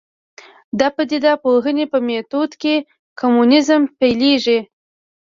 د پدیده پوهنې په میتود کې کمونیزم پیلېږي.